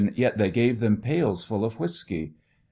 Yet they gave them pails full of whiskey